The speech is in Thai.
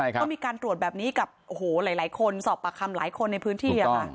ก็มีการตรวจแบบนี้กับโอ้โหหลายคนสอบปากคำหลายคนในพื้นที่